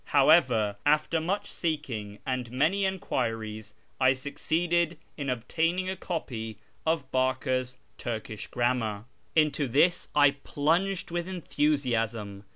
However, after much seeking and many enquiries, I succeeded in obtaining a copy of Barker's Turldsh Grammar. Into this I plunged with enthusiasm.